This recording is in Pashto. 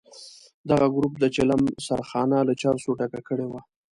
دغه ګروپ د چلم سرخانه له چرسو ډکه کړې وه.